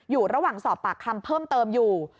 อยู่ระหว่างสอบปากคำเพิ่มเติมอยู่